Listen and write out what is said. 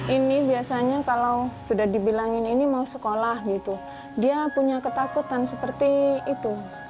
ini biasanya kalau sudah dibilangin ini mau sekolah gitu dia punya ketakutan seperti itu